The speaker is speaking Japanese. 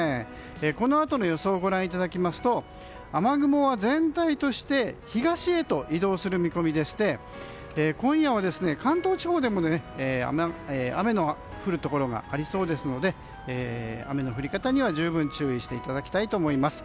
このあとの予想をご覧いただきますと雨雲は全体として東へと移動する見込みでして今夜は関東地方でも雨の降るところがありそうですので雨の降り方には十分注意していただきたいと思います。